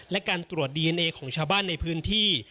และการตรวจดีเอนเอของชาวบ้านในพื้นที่